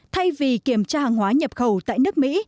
thay vì kiểm tra hàng hóa nhập khẩu tại nước mỹ